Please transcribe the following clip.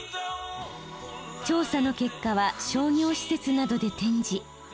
調査の結果は商業施設などで展示。